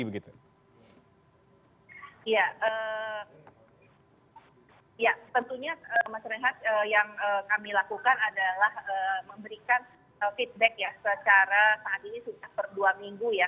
tentunya mas rehat yang kami lakukan adalah memberikan feedback secara saat ini sudah dua minggu ya